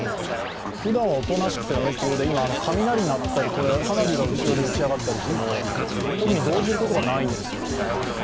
ふだんはおとなしくて温厚で、今雷が鳴ったり花火が後ろで打ち上がったりしても特に動じることはないんですよ。